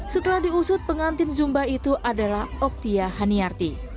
setelah diusut pengantin zumba itu adalah oktia haniyarti